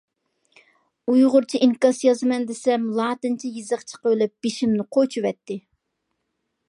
ئۇيغۇرچە ئىنكاس يازىمەن دېسەم، لاتىنچە يېزىق چىقىۋېلىپ بېشىمنى قوچۇۋەتتى.